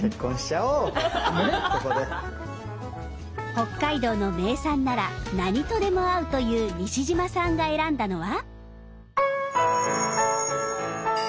北海道の名産なら何とでも合うという西島さんが選んだのは？